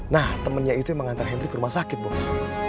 nah temennya itu yang mengantar henry ke rumah sakit pokoknya